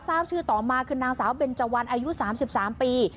ทราบชื่อต่อมาคือนางสาวเบนเจวันอายุ๓๓ปี